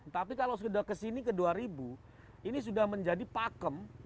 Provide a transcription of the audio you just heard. tapi kalau sudah ke sini ke dua ribu ini sudah menjadi pakem